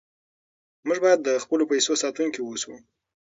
موږ باید د خپلو پیسو ساتونکي اوسو.